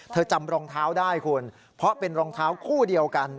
จำรองเท้าได้คุณเพราะเป็นรองเท้าคู่เดียวกัน